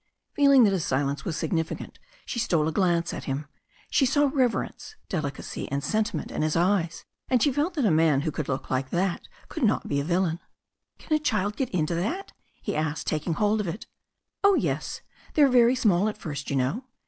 Feeling that his silence was significant, she stole a glance at him. She saw reverence, delicacy and sentiment in his eyes, and she felt that a man who could look like that could not be a villain. "Can a child get into that?" he asked, taking hold of it "Oh, yes. They are very small at first, you know."